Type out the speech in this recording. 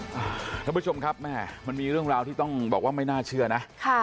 ท่านผู้ชมครับแม่มันมีเรื่องราวที่ต้องบอกว่าไม่น่าเชื่อนะ